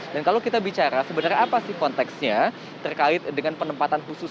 dan kalau kita bicara sebenarnya apa sih konteksnya terkait dengan penempatan khusus